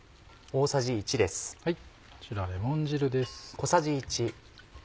こちらレモン汁です。